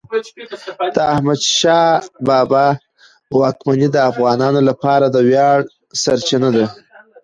د احمدشاه بابا واکمني د افغانانو لپاره د ویاړ سرچینه ده.